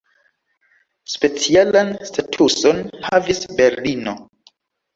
Specialan statuson havis Berlino.